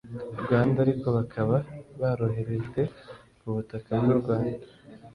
rwanda ariko bakaba baroherejwe ku butaka bw’u rwanda